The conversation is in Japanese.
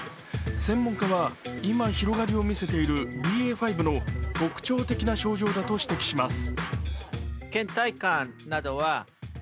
専門家は今広がりを見せているＢＡ．５の特徴的な症状だと指摘します。